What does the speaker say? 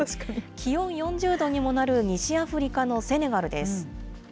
気温４０度にもなる西アフリカのセネガルです。